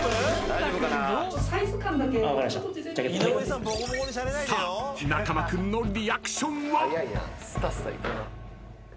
［さあ中間君のリアクションは？］